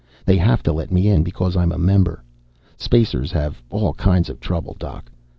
They have to let me in because I'm a member. Spacers have all kinds of trouble, Doc.